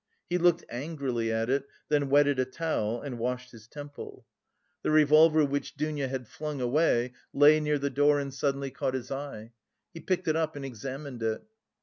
He looked angrily at it, then wetted a towel and washed his temple. The revolver which Dounia had flung away lay near the door and suddenly caught his eye. He picked it up and examined it.